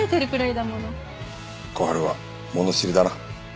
小春は物知りだな。